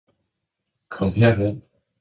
"Kom herhen."